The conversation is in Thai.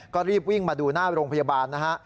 ก็รีบวิ่งมาดูหน้าโรงพยาบาลนะฮะ